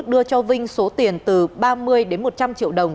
đưa cho vinh số tiền từ ba mươi đến một trăm linh triệu đồng